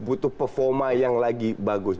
butuh performa yang lagi bagus